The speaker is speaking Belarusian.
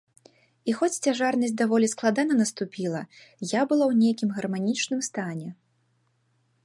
І хоць цяжарнасць даволі складана наступіла, я была ў нейкім гарманічным стане.